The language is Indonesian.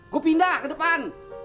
gue pindah ke depan